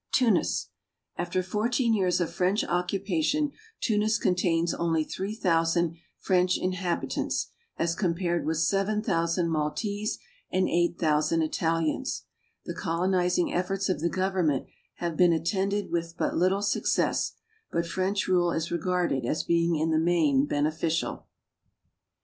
Tunis. After fourteen years of French occupation Tunis contains only 3,000 French inhabitants, as compared with 7,000 ^Maltese and 8,000 Italians. The colonizing efforts of the government have been attended with but little success, but French rule is regarded as being in the main beneficial.